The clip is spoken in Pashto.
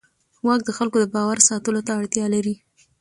واک د خلکو د باور ساتلو ته اړتیا لري.